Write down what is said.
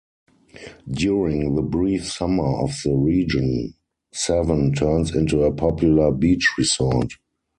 During the brief summer of the region, Sevan turns into a popular beach resort.